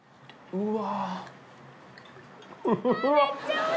うわ！